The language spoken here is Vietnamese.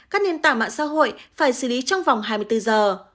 các nền tảng mạng xã hội phải xử lý trong vòng hai mươi bốn giờ